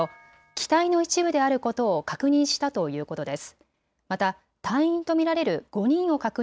機体の一部であることを確認したということです。